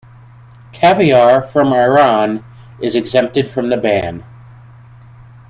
Caviar from Iran is exempted from the ban.